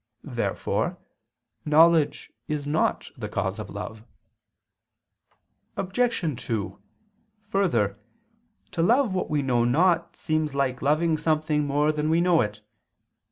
Therefore knowledge is not the cause of love. Obj. 2: Further, to love what we know not seems like loving something more than we know it.